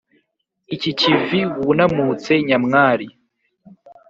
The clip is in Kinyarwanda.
iki kivi wunamutse nyamwari